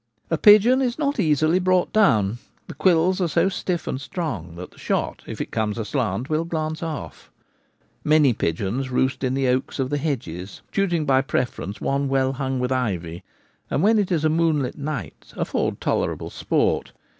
A pigeon is not easily brought down — the quills are so stiff and strong that the shot, if it comes aslant, will glance off. Many pigeons roost in the oaks of the hedges, choosing by preference one well hung with ivy, and when it is a moonlit night afford tolerable sport.